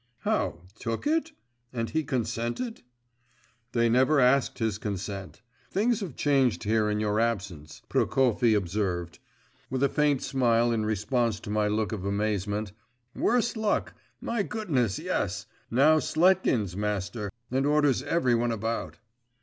'How, took it? And he consented?' 'They never asked his consent. Things have changed here in your absence,' Prokofy observed. With a faint smile in response to my look of amazement; 'worse luck! My goodness, yes! Now Sletkin's master, and orders every one about.